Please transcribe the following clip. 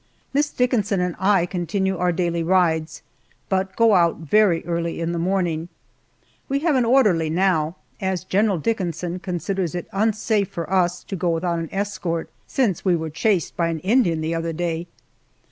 Miss Dickinson and I continue our daily rides, but go out very early in the morning. We have an orderly now, as General Dickinson considers it unsafe for us to go without an escort, since we were chased by an Indian the other day.